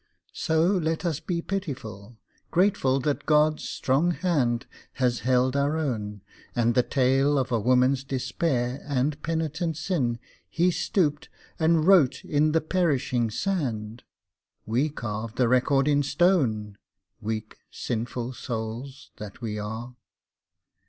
So let us be pitiful, grateful that God's strong hand Has held our own, and the tale of a woman's despair And penitent sin, He stooped and wrote in the perishing sand; We carve the record in stone, weak, sinful souls that we are.